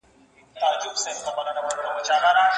یوه ورځ به په سینه کي د مرګي واری پر وکړي